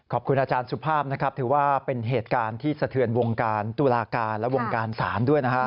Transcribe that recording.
ขอบคุณอาจารย์สุภาพนะครับถือว่าเป็นเหตุการณ์ที่สะเทือนวงการตุลาการและวงการศาลด้วยนะฮะ